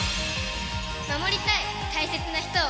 守りたい大切な人を！